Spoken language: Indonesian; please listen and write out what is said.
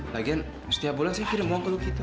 lagian setiap bulan saya kirim uang ke lu gitu